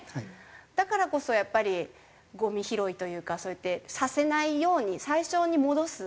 だからこそやっぱりゴミ拾いというかそうやってさせないように最初に戻す。